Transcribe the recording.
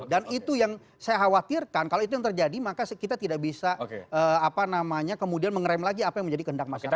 dan itu yang saya khawatirkan kalau itu yang terjadi maka kita tidak bisa kemudian mengerem lagi apa yang menjadi kehendak masyarakat